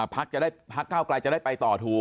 พักจะได้พักก้าวกลายจะได้ไปต่อถูก